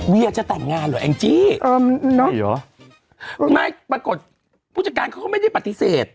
เวียจะแต่งงานเหรอแองจี้เออเนอะไม่ปรากฏผู้จัดการเขาก็ไม่ได้ปฏิเสธ